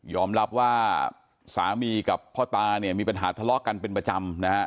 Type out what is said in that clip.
รับว่าสามีกับพ่อตาเนี่ยมีปัญหาทะเลาะกันเป็นประจำนะฮะ